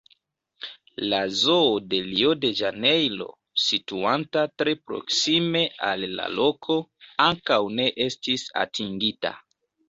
La Zoo de Rio-de-Ĵanejro, situanta tre proksime al la loko, ankaŭ ne estis atingita.